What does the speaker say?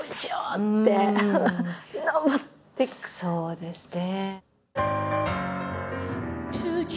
そうですね。